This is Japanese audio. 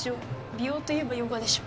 美容といえばヨガでしょ。